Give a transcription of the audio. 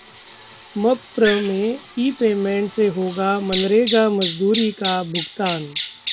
मप्र में ई-पेमेन्ट से होगा मनरेगा मजदूरी का भुगतान